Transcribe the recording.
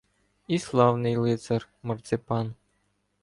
І славний лицар Марципан.